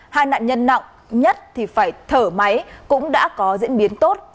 hai nạn nhân nặng nhất thì phải thở máy cũng đã có diễn biến tốt